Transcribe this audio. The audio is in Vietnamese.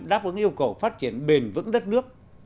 đáp ứng yêu cầu phát triển bền vững đất nước